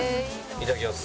いただきます。